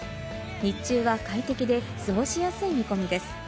日中は快適で過ごしやすい見込みです。